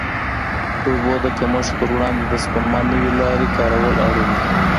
د اوبو د کمښت پر وړاندې د سپما نوې لارې کارول اړین دي.